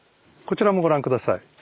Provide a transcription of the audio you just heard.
こちらもご覧下さい。